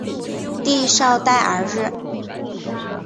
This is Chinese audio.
蒂绍代尔日。